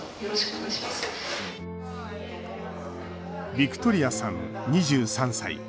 ビクトリアさん２３歳。